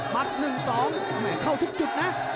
๑๒เข้าทุกจุดนะ